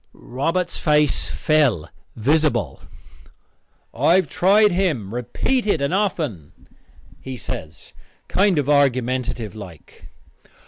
Robert's face fell visible. "I have tried him repeated and often," he says, kind of argumentative like.